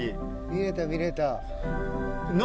見れた見れた。